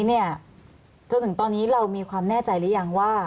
จนถึงตอนนี้เรามีความแน่ใจหรือยังว่า